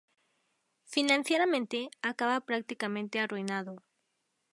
Financieramente, acaba prácticamente arruinado.